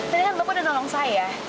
tadi kan bapak udah nolong saya